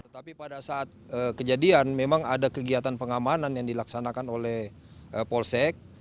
tetapi pada saat kejadian memang ada kegiatan pengamanan yang dilaksanakan oleh polsek